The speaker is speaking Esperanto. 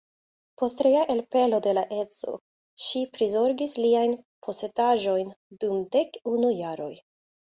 Post rea elpelo de la edzo ŝi prizorgis liajn posedaĵojn dum dek unu jaroj.